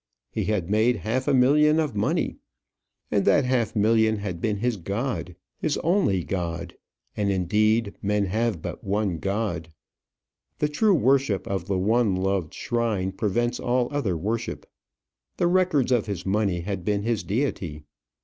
He had made half a million of money, and that half million had been his god his only god and, indeed, men have but one god. The true worship of the one loved shrine prevents all other worship. The records of his money had been his deity.